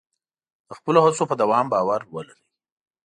د خپلو هڅو په دوام باور ولرئ.